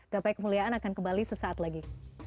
gapai kemuliaan akan kembali sesaat lagi